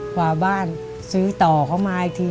กว่าบ้านซื้อต่อเข้ามาอีกที